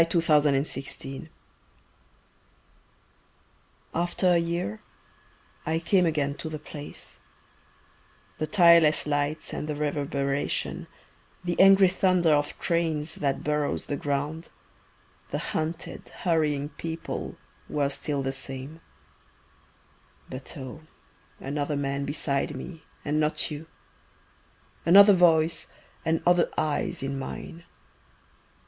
IN A SUBWAY STATION AFTER a year I came again to the place; The tireless lights and the reverberation, The angry thunder of trains that burrow the ground, The hunted, hurrying people were still the same But oh, another man beside me and not you! Another voice and other eyes in mine!